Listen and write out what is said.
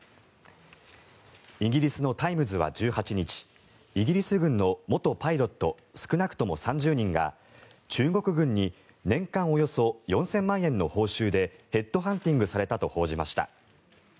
イギリスのタイムズは１８日イギリス軍の元パイロット少なくとも３０人が中国軍に年間およそ４０００万円の報酬でヘッドハンティングされたと報じました。